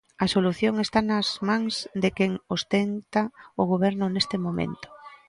A solución está nas mans de quen ostenta o goberno neste momento.